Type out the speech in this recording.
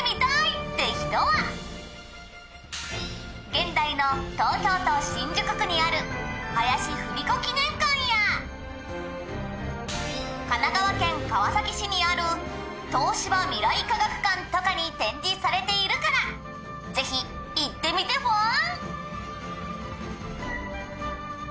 「現代の東京都新宿区にある林芙美子記念館や神奈川県川崎市にある東芝未来科学館とかに展示されているからぜひ行ってみてフォン」